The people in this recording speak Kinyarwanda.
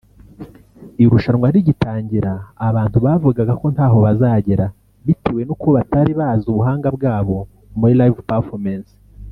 Irushanwa rigitangira abantu bavugaga ko ntaho bazagera bitewe n’uko batari bazi ubuhanga bwabo muri live performance